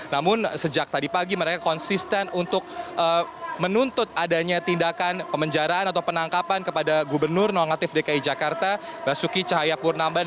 namun sejak tadi pagi mereka konsisten untuk menuntut adanya tindakan pemenjaraan atau penangkapan kepada gubernur nonaktif dki jakarta basuki cahayapurnamban